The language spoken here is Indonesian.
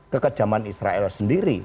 kekejaman israel sendiri